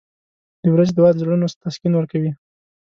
• د ورځې دعا د زړونو تسکین ورکوي.